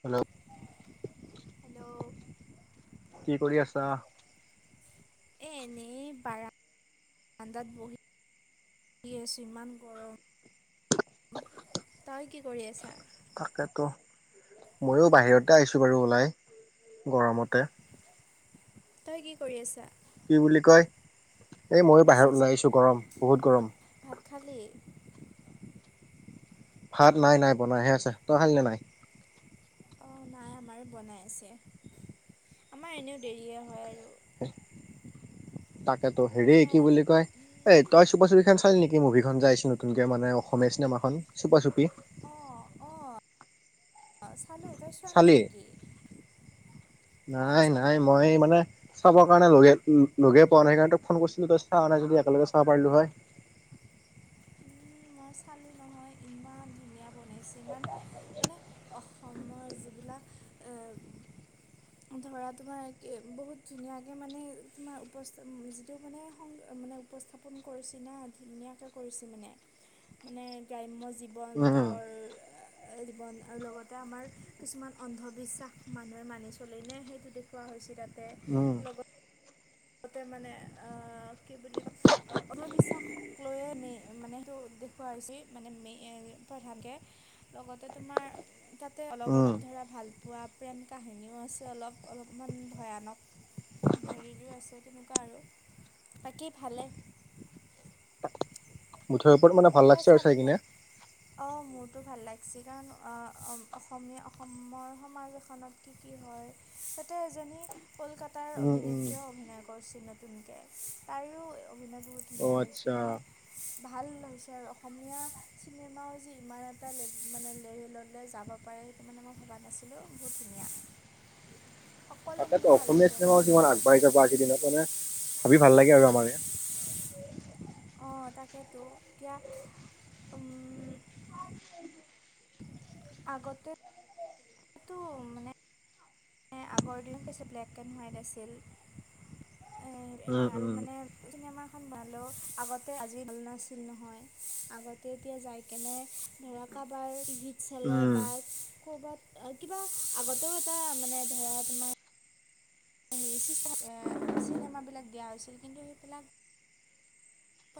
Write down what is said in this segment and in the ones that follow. Hello. Hello কি কৰি আছা? এ এনেই বাৰান্দাত বহি আছো ইমান গৰম। তই কি কৰি আছা? তাকেতো, ময়ো বাহিৰতে আহিছো বাৰু ওলায়, গৰমতে। তই কি কৰি আছা? কি বুলি কয়, এই ময়ো পিছে বাহিৰত ওলাইছো গৰম বহুত গৰম। খালী? ভাত নাই নাই বনাই হে আছে। তই খাল না নাই? অ', নাই আমাৰো বনাই আছে। আমাৰ এনেও দেৰিয়ে হয় আৰু। [unintelligible] তাকেতো হেৰি কি খাল বুলি কয়, এই তই চুপা-চুপিখন চালি নেকি মুভিখন যে আহিছে ন নতুনকে মানে অসমীয়া চিনেমাখন, চুপা-চুপি। চালো তই চোৱা নাই নিকি? নাই-নাই মই মানে চাবৰ কাৰণে লগে-লগে পোৱা নাই সেইকাৰণেটো ফোন কৰিছিলো তই চাৱা নাই যদি একেলগে চাবা পাৰিলো হয়। মই চালো নহয় ইমান ধুনীয়া বনাইছে, ইমান মানে অসমৰ যিবিলাক আহ, উম ধৰা তোমাৰ একে বহুত ধুনীয়াকে মানে তোমাৰ উপস্থ যিটো মানে সং মানে উপস্থাপন কৰিছি না, ধুনীয়াকে কৰিছে মানে। মানে গ্ৰাম্য জীৱন উম গাঁৱৰ আ জীৱন আৰু লগতে আমাৰ কিছুমান অন্ধবিশ্বাস মানুহে মানি চলেনে সেইটো দেখুওৱা হৈছে তাত উম। আগতে মানে আ কি বুলি কয়, অন্ধবিশ্বাসক লৈয়ে মে মানে সেইটো খোৱা হৈছি, মানে মে প্ৰধানকে। লগতে তোমাৰ তাতে উম অলপ-অলপ ধৰা ভাল পোৱা প্ৰেম কাহিনীও আছে অলপ, অলপমান ভয়ানক হেৰিৰো আছে তেনেকুৱা আৰু, বাকী ভালে। [unintelligible] ভাল লাগছি আৰু চাই কিনে। টো ভাল লাগছি, কাৰণ আ অসমীয়া অসমৰ সমাজ এখনত কি কি হয় তাতে এজনী কলকাতাৰ উম উম অভিনেত্ৰীও অভিনয় কৰছি নতুনকে, তাইয়ো অভিনয় বহুত অ ধুনীয়া হৈছে, আচ্ছা মানে ভাল হৈ অসমীয়া চিনেমাও যি ইমান এটা লে মানে লেভেললে যাব পাৰে, সেইটো মানে মই বা নাছিলোঁ বহুত ধুনীয়া। তাকেটো সকলোখিনি ভাল অসমীয়া হৈছে মানে চিনেমাও ইমান আগবাঢ়ি যাব আজিৰ দিনত হয়নে ভাবি ভাল লাগে আৰু আমাৰ এইয়া। অ', তাকেতো এতিয়া উম আগতে টো মানে আগৰ দিন পিছে ব্লেক এণ্ড হোৱাইট আছিল উম এ আৰু উম মানে চিনেমা খন ভালেও আগতে আজি ভাল নাছিল নহয়, আগতে এতিয়া যাইকেনে ধৰক কাবাৰ গি চেলে উম বাৰ ক'বাত কিবা আগতেও এটা মানে ধৰা তোমাৰ চিনেমাবিলাক দিয়া হৈছিল কিন্তু সেইবিলাক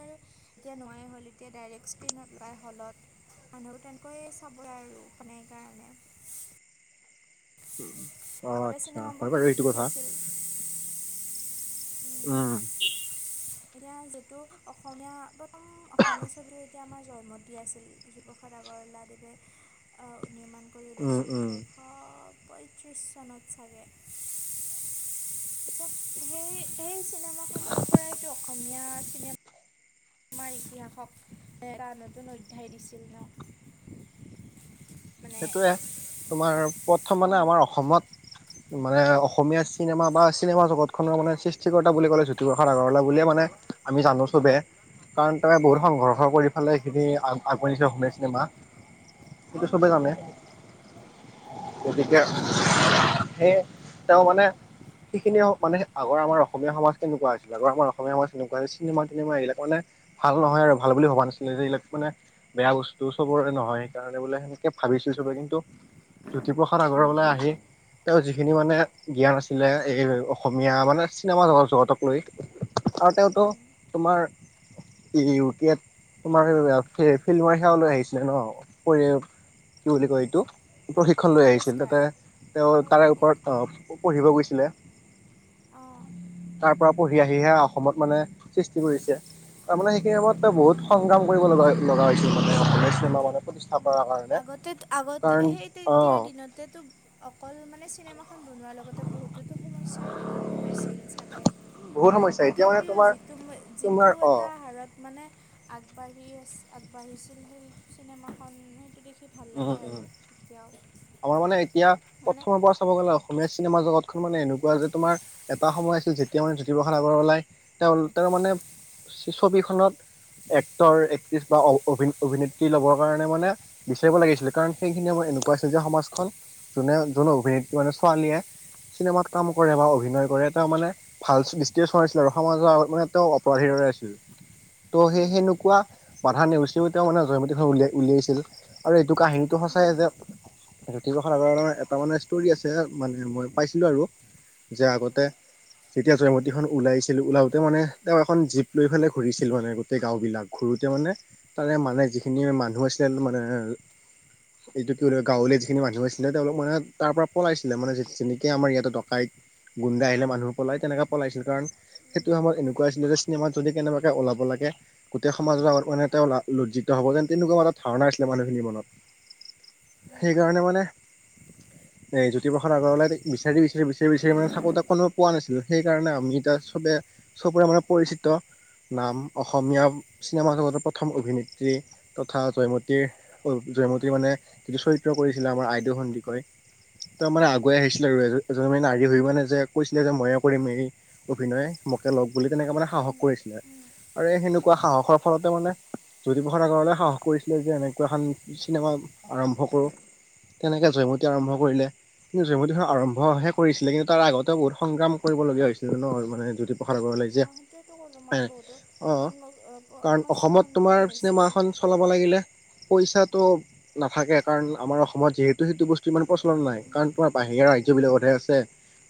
বাৰু এতিয়া নোহোৱাই হ'ল এতিয়া ডাইৰেক্ট স্ক্ৰীণত ওলাই হলত। মানুহো তেনকৈ চাবই আৰু মানে এইকাৰণে। অ', আচ্ছা চিনেমাবোৰ হয় বাৰু এইটো টিভিতো কথা। চাইছিল উম এতিয়া যিহেতু অসমীয়া প্ৰথম অসমীয়া ছবি [unintelligible] জয়মতী আছিল দুইবছৰ আগত। বৰ্লাদেৱে অহ নিৰ্মাণ কৰি উম উলায়াইছিল উম ঊনৈশ পঁয়ত্ৰিছ চনত চাগে। [inaudible] সেই-সেই চিনেমাখনৰ পৰাইতো অসমীয়া চিনেমা তোমাৰ ইতিহাসক এটা নতুন অধ্যায় দিছিল ন' [inaudible] মানে সেইটোৱে তোমাৰ প্ৰথম মানে অঁ আমাৰ অসমত মানে অসমীয়া চিনেমা বা চিনেমা জগতখনৰ মানে সৃষ্টিকৰ্তা বুলি ক'লে জ্যোতিপ্ৰসাদ আগৰৱাক বুলিয়ে মানে আমি জানো সোধে কাৰণ তেওঁয়ে বহুত সংঘৰ্ষ কৰি ফালেই সেইখিনি আগোৱাই নিছে অসমীয়া চিনেমা সেইটো অঁ চবে জানে গতিকে তাকেতো সেয়ে তেওঁ মানে সেইখিনিয়ে মানে আগৰ আমাৰ অসমীয়া সমাজ কেনেকুৱা আছিল, আগৰ আমাৰ অসমীয়া সমাজ কেনেকুৱা ছিল চিনেমা- তিনেমা এইবিলাক মানে ভাল নহয় আৰু ভাল বুলি ভবা নাছিলে যে এইবিলাক মানে বেয়া বস্তু চবৰে নহয় সেইকাৰণে বোলে সেনেকে ভাবিছোঁ চবে কিন্তু জ্যোতিপ্ৰসাদ আগৰৱালাই আহি তেওঁ যিখিনি মানে জ্ঞান আছিলে এই অসমীয়া মানে চিনেমা জগ -জগতক লৈ আৰু তেওঁতো তোমাৰ ই ইও টি আইট তোমাৰ ফিল্মৰ সেৱা লৈ আহিছিলে ন' পৰি কি বুলি কয় এইটো প্ৰশিক্ষ শিক্ষণ লৈ আহিছিল পুৰস্কাৰ তাতে তেওঁ আৰু তাৰে প্ৰশিক্ষণ ওপৰত পঢ়িব গৈছিলে। অহ তাৰ পৰা পঢ়ি আহিহে অসমত মানে সৃষ্টি কৰিছে তাৰ মানে সেইখিনি সময়ত তেওঁ বহুত অঁ সংগ্ৰাম কৰিব লগা -লগা হৈছিল মানে অসমীয়া চিনেমা মানে প্ৰতি তিষ্ঠা কৰাৰ কাৰণে তে আগতে কাৰণ সেই তেতিয়াৰ অ' দিনতে তো অকল মানে খন বনোৱাৰ লগতে বহুতেতো সমস্যাৰো সন্মুখীন হৈছিল চাগে বহুত সমস্যা এতিয়া মানে তথাপিও তোমাৰ যিটো- তোমাৰ যিটো এটা অ' হাৰত মানে আগবাঢ়ি আছ আগবাঢ়িছিল সেই চিনেমাখন সেইটো দে ভাল উম, লাগে আৰু উম। এতিয়াও আমাৰ মানে এতিয়া মানে প্ৰথমৰ পৰা চাব গ'লে অসমীয়া চিনেমা জগতখন মানে এনেকুৱা যে তোমাৰ এটা সময় আছিল যেতিয়া মানে জ্যোতিপ্ৰসাদ আগৰৱালাই তেওঁৰ মানে ছবিখনত এক্টৰ- এক্ট্ৰিছ বা অভিনেত্ৰী ল'বৰ কাৰণে মানে বিচাৰিব লাগিছিলে কাৰণ সেইখিনি মাৰ এনেকুৱা আছিল যে সমাজখন যোনে যোন অভিনেত্ৰী মানে ছোৱালীয়ে চিনেমাত কাম কৰে বা অভিনয় কৰে তেওঁ মানে ভাল দৃষ্টি চৰাইছিলে আৰু সমাজৰ মানে তেওঁ অপৰাধীৰ আছিল। ত' সেই -সেনেকুৱা বাধা নেওচিও তেওঁ মানে জয়মতীখন উলিয়াই- উলিয়াইছিল আৰু এইটো কাহিনীটো সচাই যে জোতি প্ৰসাদ আগৰৱলাৰ আগৰ এটা মানে ষ্টৰি আছে মানে মই পাইছিলো আৰু যে আগতে যেতিয়া জয়মতীখন ওলাইছিল ওলাওতে মানে তেওঁ এখন জীপ লৈ ফেলে ঘূৰিছিল মানে গোটেই গাঁও বিলাক ঘূ গোটে মানে তাৰে মানে যিখিনি মানুহ আছিল মানে গাঁৱলীয়া যিখিনি মানুহ আছিলে তেওঁলোক মানে তাৰ পৰা পলাইছিল মানে যেনেকে আমাৰ ইয়াতে ডকাইত গুণ্ডা আহিলে মানুহ পলাই তেনেকে পলাইছিল কাৰণ সেইটো সময়ত এনেকুৱা আছিলে যে চিনেমাত যদি কেনেবাকে ওলাব লাগে গোটেই সমাজৰ আগত মানে তেওঁ লজ্জিত হ'ব যেন তেনেকুৱা এটা ধাৰণা আছিলে মানুহখিনিৰ মনত সেইকাৰণে মানে এ জ্যোতিপ্ৰসাদ আগৰৱালাই বিচাৰি বিচাৰি বিচাৰি বিচাৰি মানে থাকো এটা কোনোব পোৱা নাছিল, সেই কাৰণে আমি কিতা চবে চবৰে মানে পৰিচিত নাম অসমীয়া চিনেমাজগতৰ প্ৰথম অভিনেত্ৰী তথা জয়মতীৰ জয়মতীৰ মানে যিটো চৰিত্ৰ কৰিছিলে আমাৰ আইদেউ সন্দিকৈ। তেওঁ মানে আগুৱাই আহিছিলে আৰু এজন এজনী নাৰী হৈ মানে যে কৈছিলে যে মইও কৰিম এই অভিনয়। মোকে লওঁক বুলি। তেনেকে মানে সাহস কৰিছিলে আৰু সেনেকুৱা সাহসৰ ফলতে মানে জ্যোতিপ্ৰসাদ আগৰৱালাই সাহস কৰিছিলে যে এনেকুৱা এখন চিনেমা আৰম্ভ কৰো। তেনেকে জয়মতী আৰম্ভ কৰিলে। কিন্তু জয়মতীখন আৰম্ভহে কৰিছিলে। কিন্তু তাৰ আগতেও বহুত সংগ্ৰাম কৰিবলগীয়া হৈছিলে ন। মানে জ্যোতি আহ সেইটোৱেটো কলো মই বহুতো অ সন্মুখ কাৰণ সমস্যাৰ অসমত তোমাৰ সন্মুখীন চিনেমা হৈছিল। এখন চলাব লাগিলে পইচাটো নাথাকে। কাৰণ আমাৰ অসমত যিহেতু সেইটো বস্তু ইমান প্ৰচলন নাই, কাৰণ উম, তোমাৰ বাহিৰা ৰাজ্যবিলাকতহে আছে।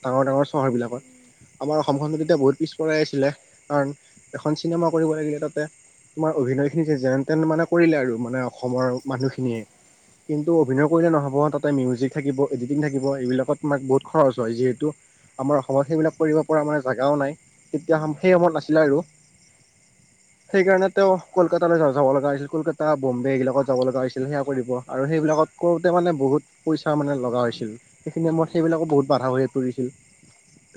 ডাঙৰ-ডাঙৰ চহৰ বিলাকত। উম। আমাৰ অসমখন অঁ তেতিয়া বহুত পিছপৰাই আছিলে। কাৰণ এখন চিনেমা কৰিব লাগিলে তাতে তোমাৰ অভিনয়খিনি যে যেন তেন মানে কৰিলে আৰু মানে অসমৰ মানুহখিনিয়ে। কিন্তু অভিনয় কৰিলে নহ'ব ন। তাতে মিউজিক থাকিব, এডিটিং থাকিব। এইবিলাকত তোমাৰ বহুত খৰচ হয়। যিহেতু আমাৰ অসমত সেইবিলাক কৰিব পৰা আমাৰ জাগাও নাই। তেতিয়া সেই সময়ত নাছিলে আৰু। সেইকাৰণে তেওঁ কলকাতালৈ য যাব লগা হৈছিল। কলকাতা, বম্বে এইবিলাকত যাব লগা হৈছিল। সেই কৰিব আৰু সেইবিলাকত কৰোতে মানে বহুত পইচা মানে লগা হৈছিল। সেইখিনি সময়ত মই সেইবিলাকো বহুত বাধা [unintelligible] কৰিছিল।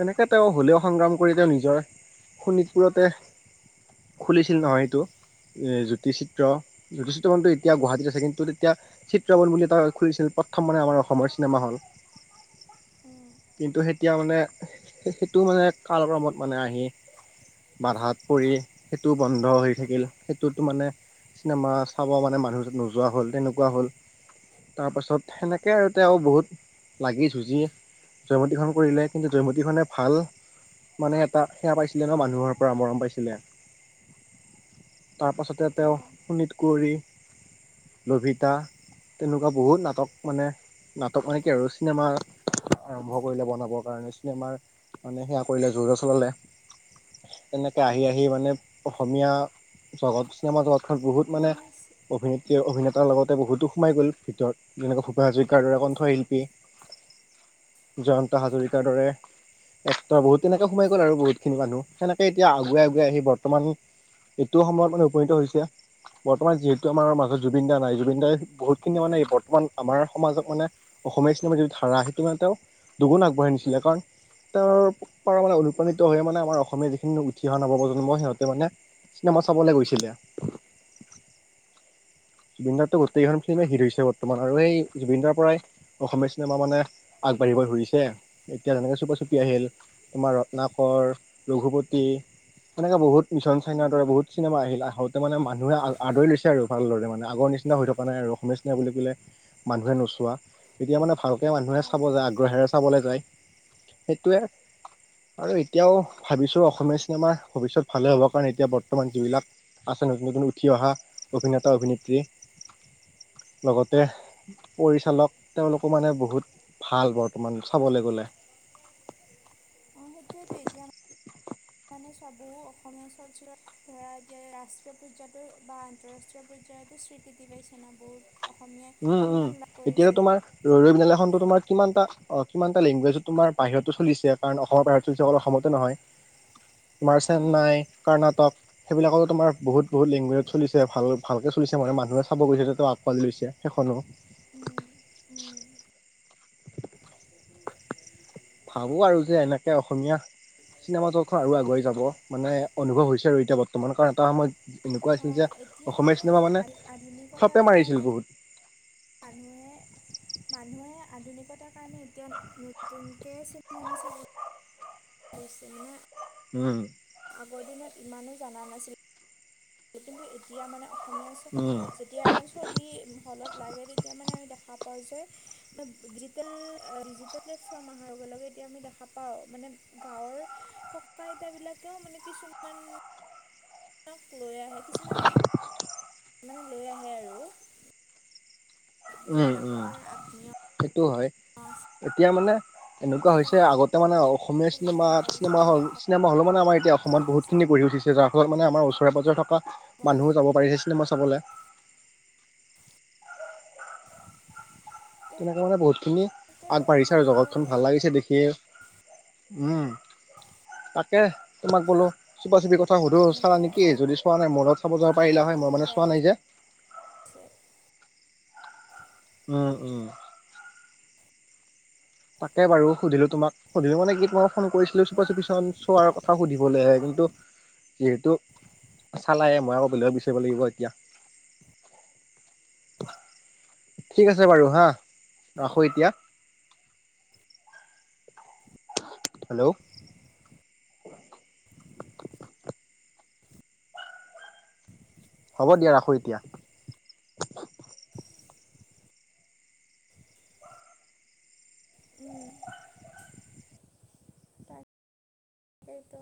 তেনেকে তেওঁ হ'লেও সংগ্ৰাম কৰি তেওঁ নিজৰ শোণিতপুৰতে খুলিছিল নহয় এইটো। এ জ্যোতি চিত্ৰ জ্যোতি চিত্ৰবনটো এতিয়া গুৱাহাটীত আছে কিন্তু এতিয়া চিত্ৰবন বুলি এটা খুুলিছিল। প্ৰথম মানে আমাৰ অসমৰ চিনেমাহল। কিন্তু এতিয়া মানে সেইটো মানে কালক্ৰমত মানে আহি বাধাত পৰি সেইটো বন্ধ হৈ থাকিল। সেইটোতো মানে চিনেমা চাব মানে মানুহ নোযোৱা হল, তেনেকুৱা হল। তাৰ পাছত সেনেকে আৰু তেওঁ বহুত লাগি যুঁজি জয়মতীখন কৰিলে। কিন্তু জয়মতীখনে ভাল মানে এটা সেয়া পাইছিলে ন মানুহৰ পৰা মৰম পাইছিলে। তাৰ পাছতে তেওঁ অঁ শোণিত কুঁৱৰী, লভিত [unintelligible] তেনেকুৱা বহুত নাটক মানে নাটক, মানে কি আৰু চিনেমা আৰম্ভ কৰিলে বনাবৰ কাৰণে। চিনেমাৰ মানে সেয়া কৰিলে যো-জা চলালে। তেনেকে আহি-আহি মানে অসমীয়া জগত চিনেমা জগত বহুত মানে অভিনেত্ৰী-অভিনেতাৰ লগত তাতে বহুতো সোমাই গ'ল ভিতৰত। যেনেকৈ ভূপেন হাজৰিকাৰ দৰে কণ্ঠশিল্পী জয়ন্ত হাজৰিকাৰৰ দৰে [unintelligible] বহুত তেনেকে সোমাই গ'ল আৰু বহুত খিনি মানুহ। সেনেকে এতিয়া আগুৱাই আগুৱাই আহি বৰ্তমান এইটো সময়ত মানে উপনীত হৈছে। বৰ্তমান যিহেতু আমাৰ মাজত জুবিন দা নাই। জুবিন দাই বহুত খিনি মানে বৰ্তমান আমাৰ সমাজত মানে অসমীয়া চিনেমা যিটো ধাৰা সেইটো মানে তেওঁ দুুগুণ আগবঢ়াই নিছিলে কাৰণ তাৰ পৰা মানে অনুপ্ৰাণিত হৈ মানে আমাৰ অসমীয়া যিখিনি উঠি অহা নৱপ্ৰজন্ম, সিহঁতে মানে চিনেমা চাবলে গৈছিলে। [unintelligible] গোটেই কেইখন ফিল্মে হিট হৈছে বৰ্তমান আৰু সেই জুবিন দাৰ পৰাই অসমীয়া চিনেমা মানে আগবাঢ়িবলে ধৰি [unintelligible] এতিয়া যেনেকে চুপা চুপি আহিল। তোমাৰ ৰত্নাকৰ, ৰঘুপতি সেনেকে বহুত মিছন চাইনাৰ দৰে উম, বহুত চিনেমা আহিল। আহোতে মানে মানুহে আহ আদৰি লৈছে আৰু ভালদৰে। মানে আগৰ নিচিনা নিচিনা হৈ থকা নাই আৰু অসমীয়া চিনিমা বুলি কলে মানুহে নোচোৱা। তেতিয়া মানে ভালকে মানুহে অঁ চাব যায় আগ্ৰহেৰে চাবলৈ যায়। সেইটোৱে। আৰু এতিয়াও ভাবিছো অসমীয়া চিনেমাৰ ভৱিষ্যত ভালে হ'ব। কাৰণ এতিয়া বৰ্তমান যিবিলাক আছে নতুন -নতুন উঠি অহা অভিনেতা- অভিনেত্ৰী। লগতে পৰিচালক, তেওঁলোকো মানে বহুত ভাল বৰ্তমান চাবলে গ'লে। [unintelligible] অহ, সেইটোৱেতো এতিয়া [inaudible] মানে চবোহো অসমীয়া চলচিত্ৰ ধৰা এতিয়া ৰাষ্ট্ৰীয় পৰ্যাতো বা আন্তঃৰাষ্ট্ৰীয় পৰ্যায়তো শ্ৰীকৃতি পাইছে না বহুত। অসমীয়াই উম -উম সন্মান লাভ এতিয়া কৰিছে তোমাৰ ৰৈ ৰৈ বিনালে খনতো মানে তোমাৰ কিমানটা অহ, কিমানটা লেংগুৱেজ তোমাৰ বাহিৰতো চলিছে কাৰণ অসমৰ বাহিৰটো চলিছে অকল অসমতে নহয় তোমাৰ অঁ চেন্নাই, কৰ্ণাটক সেইবিলাকতো তোমাৰ বহুত- বহুত লেংগুৱেজত চলিছে ভাল - ভালকে চলিছে মানে মানুহে চাব গৈছে ত' আকোৱালি লৈছে সেইখনো। ভাবো আৰু যে এনেকে অসমীয়া চিনেমা জগতখন আৰু এইটোতো আগুৱাই যাব মানে অনুভৱ হৈছে আৰু এতিয়া বৰ্তমান কাৰণ এটা সময়ত এনেকুৱা অঁ যে এতিয়া অসমীয়া চিনেমা চোৱা মানে আধু- আধুনিকতাৰ সাপে কাৰণে মাৰিছিল বহুত। মানুহে মানুহে আধুনিকতাৰ কাৰণে এতিয়া নতুনকে চিনেমা চাব গৈছে মানে উম আগৰ দিনত ইমানো জানা নাছিল, কিন্তু এতিয়া মানে অসমীয়া শো উম যেতিয়া এখন ছবি হলত লাগে তেতিয়া মানে আমি দেখা পাও যে ডিজিটেল -ডিজিটেল প্লেটফৰ্ম আহাৰ লগে -লগে এতিয়া আমি দেখা পাওঁ মানে গাঁৱৰ, ককা আইতা বিলাকেও মানে কিছুমান [inaudible] লৈ আহে কিছুমানে- মানে লৈ আহে আৰু। [inaudible] যিবিলাকৰ দৰে আত্মীয় এইটো হয়, আছে এতিয়া মানে এনেকুৱা হৈছে তেওঁলোকে আগতে মানে অসমীয়া লৈ আহে আৰু চিনেমাত-চিনেমা হল দেখুৱাব -চিনেমা হল মানে আমাৰ এতিয়া অসমত বা বহুত চাব খিনি গঢ়ি উঠিছে। যাৰ ফলত মানে আমাৰ ওচৰে -পাজৰে থকা মানুহো যাব পাৰিছে চিনেমা চাবলে। তেনেকে মানে বহুতখিনি তেনেকে আগবাঢ়িছে আৰু ভালে লাগে জগতখন ভাল লাগিছে দেখিয়ে উম, তাকে তোমাক বোলো চুপা - চুপি চাওঁ সুধো চালা এনেকে নেকি আগ যদি চোৱা নাই মৰ লগত চাব যাব পাৰিলা হয় মই আগবাঢ়ি মানে যাই চোৱা নাই যে [inaudible] আছে উম -উম। তাকে বাৰু সুধিলো তোমাক সুধিলো মানে কি তোমাক ফোন কৰিছিলো চুপা - সেইটোৱে চুপি চন চোৱাৰ কথা সুধিবলে কিন্তু যিহেতু চালায়ে মই আকৌ বেলেগত বিচাৰিব লাগিব এতিয়া [inaudible] ঠিক আছে বাৰু হা, ৰাখো এতিয়া। হেল্ল', [inaudible] হ'ব দিয়া ৰাখো এতিয়া। উম সেইটো